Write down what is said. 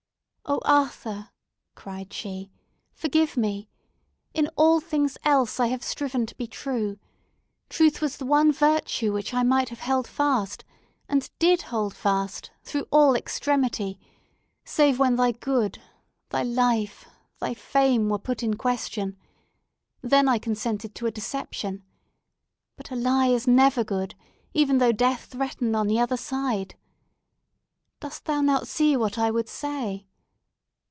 "Oh, Arthur!" cried she, "forgive me! In all things else, I have striven to be true! Truth was the one virtue which I might have held fast, and did hold fast, through all extremity; save when thy good—thy life—thy fame—were put in question! Then I consented to a deception. But a lie is never good, even though death threaten on the other side! Dost thou not see what I would say?